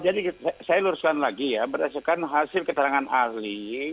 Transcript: jadi saya luruskan lagi ya berdasarkan hasil keterangan ahli